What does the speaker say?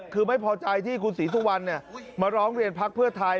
คือไม่พอใจที่คุณศรีสุวรรณมาร้องเรียนพักเพื่อไทย